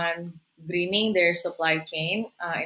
memperbaiki jaringan pengeluaran mereka